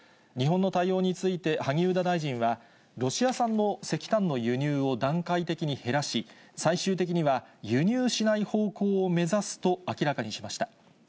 日本の対応について萩生田大臣は、ロシア産の石炭の輸入を段階的に減らし、最終的には、輸入しない方向を目指すと明らかにしました。